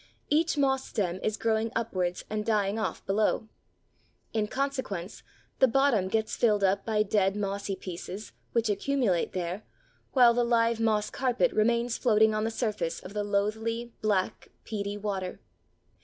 Each moss stem is growing upwards and dying off below. In consequence, the bottom gets filled up by dead mossy pieces, which accumulate there, while the live moss carpet remains floating on the surface of the loathly, black, peaty water.